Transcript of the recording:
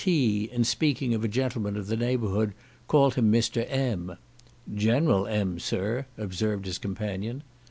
T— in speaking of a gentleman of the neighbourhood, called him Mr. M—. "General M—, sir," observed his companion.